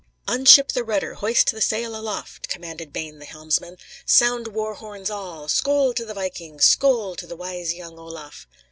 "Unship the rudder; hoist the sail aloft!" commanded Bane the helmsman. "Sound war horns all! Skoal to the Viking; skoal to the wise young Olaf!"